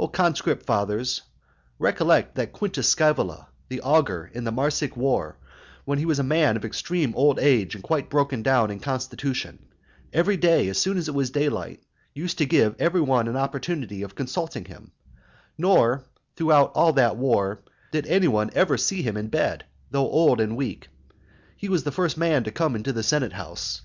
I, O conscript fathers, recollect that Quintus Scaevola the augur, in the Marsic war, when he was a man of extreme old age, and quite broken down in constitution, every day, as soon as it was daylight, used to give every one an opportunity of consulting him, nor, throughout all that war, did any one ever see him in bed, and, though old and weak, he was the first man to come into the senate house.